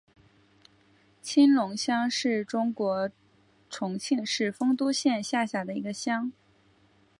青龙乡是中国重庆市丰都县下辖的一个乡。